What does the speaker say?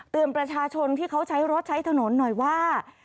ประชาชนที่เขาใช้รถใช้ถนนหน่อยว่า